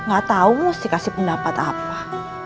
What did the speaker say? gak tau mesti kasih pendapat apa